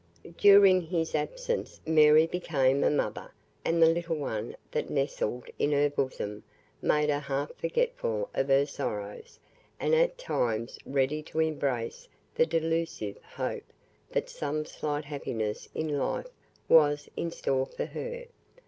During his absence Mary became a mother, and the little one that nestled in her bosom, made her half forgetful of her sorrows, and at times ready to embrace the delusive hope that some slight happiness in life was in store for her.